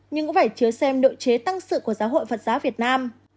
nhưng cũng phải chứa xem độ chế tăng sự của giáo hội phật giáo việt nam